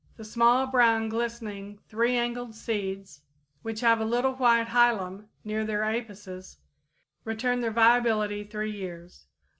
The small, brown, glistening three angled seeds, which have a little white hilum near their apices, retain their viability three years.